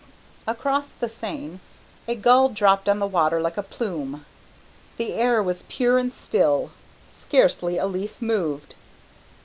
Across the Seine a gull dropped on the water like a plume. The air was pure and still. Scarcely a leaf moved.